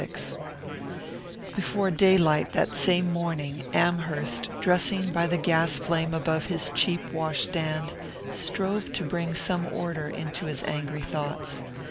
VI BEFORE daylight that same morning Amherst, dressing by the gas flame above his cheap wash stand, strove to bring some order into his angry thoughts.